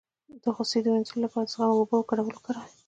د غوسې د مینځلو لپاره د زغم او اوبو ګډول وکاروئ